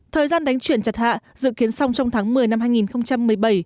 thời gian đánh chuyển chặt hạ dự kiến xong trong tháng một mươi năm hai nghìn một mươi bảy